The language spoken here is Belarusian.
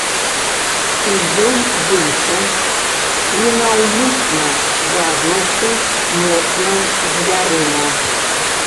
І ён выйшаў, ненаўмысна бразнуўшы моцна дзвярыма.